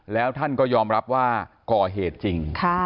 แล้วท่านก็ยอมรับว่าก่อเหตุจริง